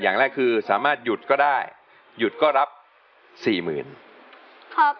อย่างแรกคือสามารถหยุดก็ได้หยุดก็รับสี่หมื่นครับ